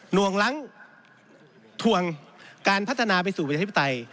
หนวงหลังถวงการพัฒนาไปสู่บริษัทธิปไตย